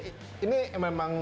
jadi bisa mensimulasikan g force